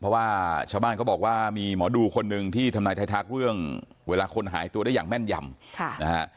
เพราะว่าชาวบ้านเขาบอกว่ามีหมอดูคนหนึ่งที่ทำนายไทยทักเรื่องเวลาคนหายตัวได้อย่างแม่นยำนะฮะ